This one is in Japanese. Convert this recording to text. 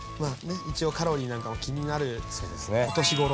一応カロリーなんかも気になるお年頃。